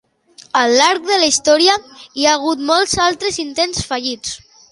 Al llarg de la història hi ha hagut molts altres intents fallits.